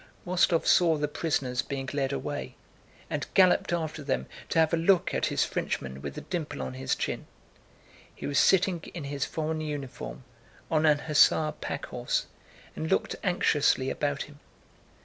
Rostóv saw the prisoners being led away and galloped after them to have a look at his Frenchman with the dimple on his chin. He was sitting in his foreign uniform on an hussar packhorse and looked anxiously about him.